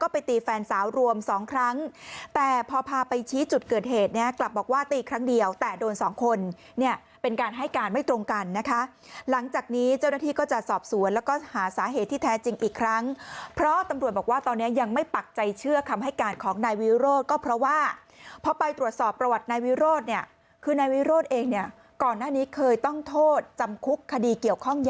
พาไปชี้จุดเกิดเหตุเนี่ยกลับบอกว่าตีครั้งเดียวแต่โดนสองคนเนี่ยเป็นการให้การไม่ตรงกันนะคะหลังจากนี้เจ้าหน้าที่ก็จะสอบสวนแล้วก็หาสาเหตุที่แท้จริงอีกครั้งเพราะตำรวจบอกว่าตอนนี้ยังไม่ปักใจเชื่อคำให้การของนายวิโรธก็เพราะว่าพอไปตรวจสอบประวัตินายวิโรธเนี่ยคือนายวิโรธเองเนี่ย